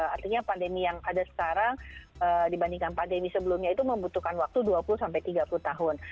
artinya pandemi yang ada sekarang dibandingkan pandemi sebelumnya itu membutuhkan waktu dua puluh tiga puluh tahun